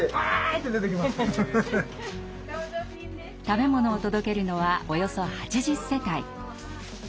食べ物を届けるのはおよそ８０世帯。